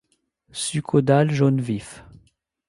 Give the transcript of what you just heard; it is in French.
Sus-caudales jaune vif.